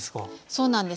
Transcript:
そうなんです。